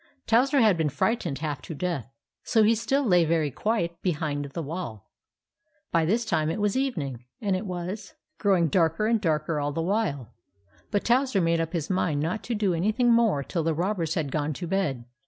Towser had been frightened half to death ; so he still lay very quiet behind the wall By this time it was evening, and it was growing darker and darker all the while ; but Towser made up his mind not to do anything more till the robbers had gone to bed.